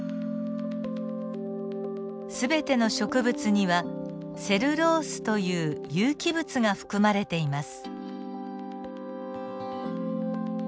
全ての植物にはセルロースという有機物が含まれています。